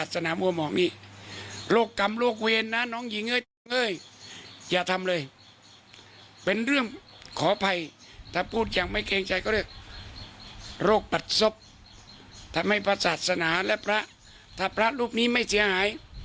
ทำไมพระศาสนาและพระถ้าพระรูปนี้ไม่เสียหาย